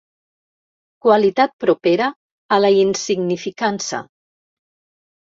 Qualitat propera a la insignificança.